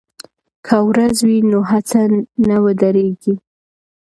که ورځ وي نو هڅه نه ودریږي.